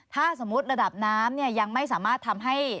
ถ้าสมมุติระดับน้ำยังไม่สามารถทำให้